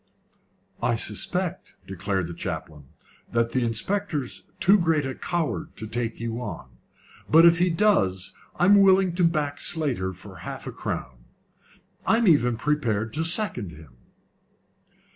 "I suspect," declared the chaplain, "that the inspector's too great a coward to take you on, but if he does I'm willing to back Slater for half a crown. I am even prepared to second him."